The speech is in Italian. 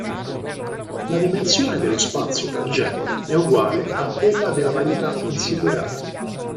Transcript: La dimensione dello spazio tangente è uguale a quella della varietà considerata.